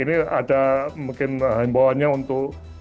ini ada mungkin alih bawahnya untuk